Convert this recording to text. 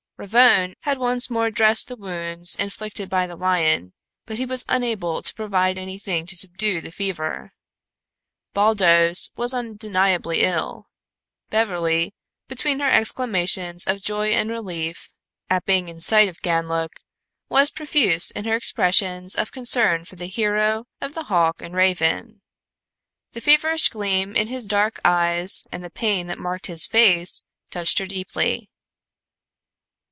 Ravone had once more dressed the wounds inflicted by the lion; but he was unable to provide anything to subdue the fever. Baldos was undeniably ill. Beverly, between her exclamations of joy and relief at being in sight of Ganlook, was profuse in her expressions of concern for the hero of the Hawk and Raven. The feverish gleam in his dark eyes and the pain that marked his face touched her deeply.